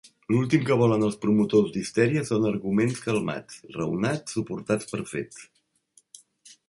"L'últim que volen els promotors d'histèria són arguments calmats, raonats suportats per fets.